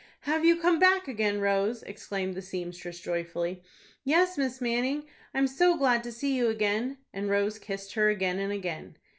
"Have you come back again, Rose?" exclaimed the seamstress, joyfully. "Yes, Miss Manning, I'm so glad to see you again;" and Rose kissed her again and again.